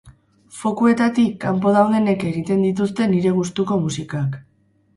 Fokuetatik kanpo daudenek egiten dituzte nire gustuko musikak.